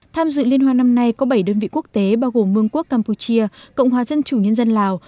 tham dự liên hoan năm nay có bảy đơn vị quốc tế bao gồm mương quốc campuchia cộng hòa dân chủ nhân dân lào